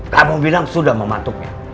kamu bilang sudah mematuknya